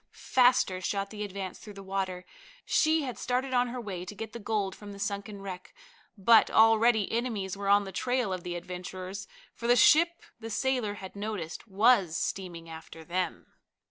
Faster shot the Advance through the water. She had started on her way to get the gold from the sunken wreck, but already enemies were on the trail of the adventurers, for the ship the sailor had noticed was steaming after them.